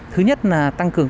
thứ nhất là tăng cường